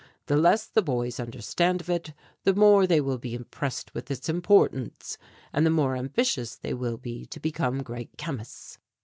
The less the boys understand of it the more they will be impressed with its importance, and the more ambitious they will be to become great chemists."